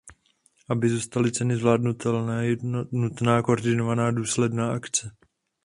Aby zůstaly ceny zvládnutelné, je nutná koordinovaná důsledná akce.